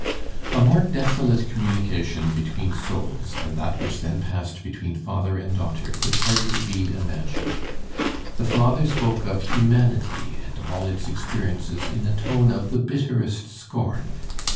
A more desolate communication between souls than that which then passed between father and daughter could hardly be imagined. The father spoke of humanity and all its experiences in a tone of the bitterest scorn.